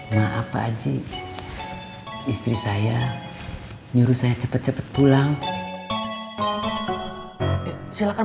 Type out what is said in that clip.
maaf pak aji istri saya nyuruh saya cepet cepet pulang silakan